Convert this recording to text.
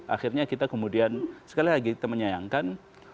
akhirnya kita kemudian sekali lagi kita menyayangkan